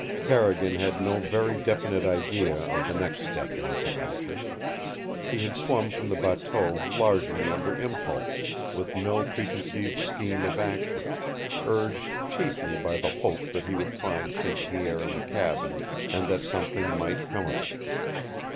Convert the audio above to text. Carrigan had no very definite idea of the next step in his adventure. He had swum from the bateau largely under impulse, with no preconceived scheme of action, urged chiefly by the hope that he would find St. Pierre in the cabin and that something might come of it.